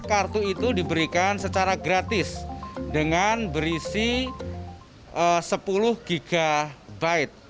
kartu itu diberikan secara gratis dengan berisi sepuluh gb